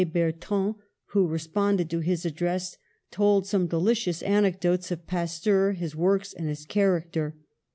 Bertrand, who responded to his address, told some delicious anecdotes of Pasteur, his works and his character.